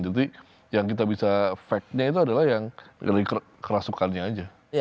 jadi yang kita bisa fakta itu adalah yang kerasukannya aja